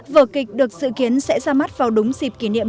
vở kịch được dự kiến sẽ ra mắt vào đúng dịp kỷ niệm